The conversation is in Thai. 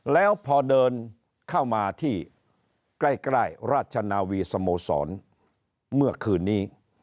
แล้วพอเดินเข้ามาที่ใกล้ราชนาวีสโมสรเมื่อคืนนี้